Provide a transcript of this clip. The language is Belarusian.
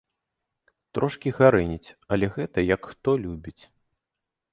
Трошкі гарэніць, але гэта як хто любіць.